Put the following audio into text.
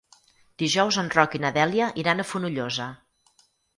Dijous en Roc i na Dèlia iran a Fonollosa.